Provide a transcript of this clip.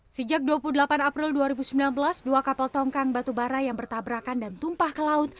sejak dua puluh delapan april dua ribu sembilan belas dua kapal tongkang batubara yang bertabrakan dan tumpah ke laut